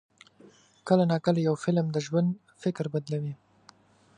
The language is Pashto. کله ناکله یو فلم د ژوند فکر بدلوي.